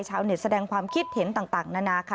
ชาวเน็ตแสดงความคิดเห็นต่างนานาค่ะ